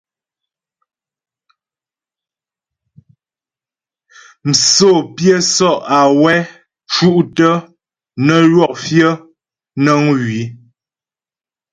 Msǒ pyə́ sɔ’ awɛ ́ cú’ tə́ nə ywɔk fyə̌ nəŋ wii.